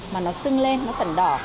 mà nó sưng lên nó sần đỏ